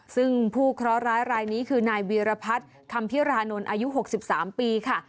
ซึ่งผู้เคราะหร้ายรายนี้คือนายวีรพัฒน์คำพิรานนท์อายุ๖๓ปีค่ะ